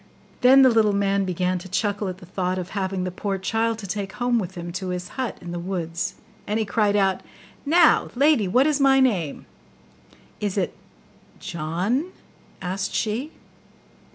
Then the little man began to chuckle at the thought of having the poor child, to take home with him to his hut in the woods; and he cried out, 'Now, lady, what is my name?' 'Is it JOHN?' asked she.